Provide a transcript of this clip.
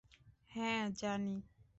হ্যা, জানি।